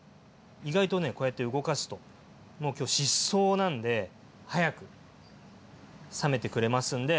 意外とねこうやって動かすともう今日疾走なんで早く冷めてくれますんで。